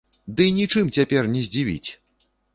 Ды нічым цяпер не здзівіць!